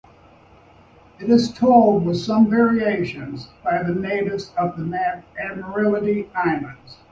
It is told with some variations by the natives of the Admiralty Islands.